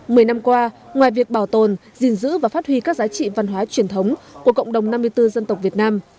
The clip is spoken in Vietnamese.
mười năm qua ngoài việc bảo tồn gìn giữ và phát huy các giá trị văn hóa truyền thống của cộng đồng năm mươi bốn dân tộc việt nam